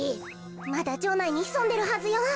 まだじょうないにひそんでるはずよ。